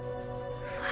うわ